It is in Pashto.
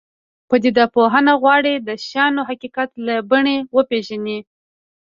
پدیده پوهنه غواړي د شیانو حقیقت له بڼې وپېژني.